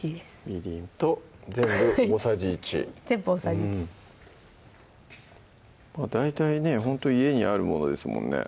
みりんと全部大さじ１全部大さじ１まぁ大体ねほんと家にあるものですもんね